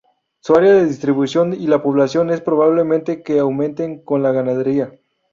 Su área de distribución y la población es probable que aumenten con la ganadería.